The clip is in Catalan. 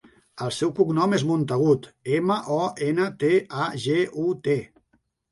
El seu cognom és Montagut: ema, o, ena, te, a, ge, u, te.